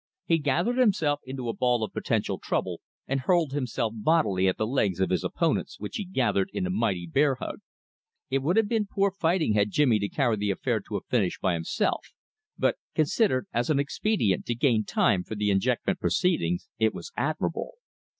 He gathered himself into a ball of potential trouble, and hurled himself bodily at the legs of his opponents which he gathered in a mighty bear hug. It would have been poor fighting had Jimmy to carry the affair to a finish by himself, but considered as an expedient to gain time for the ejectment proceedings, it was admirable.